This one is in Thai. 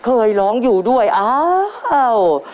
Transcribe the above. เคยร้องอยู่ด้วยอ้าว